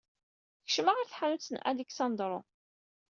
Kecmeɣ ɣer tḥanut n Aleksandro.